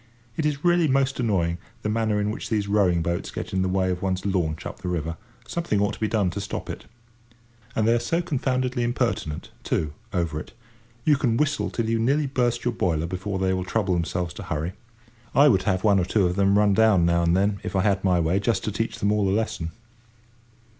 It is really most annoying, the manner in which these rowing boats get in the way of one's launch up the river; something ought to done to stop it. And they are so confoundedly impertinent, too, over it. You can whistle till you nearly burst your boiler before they will trouble themselves to hurry. I would have one or two of them run down now and then, if I had my way, just to teach them all a lesson.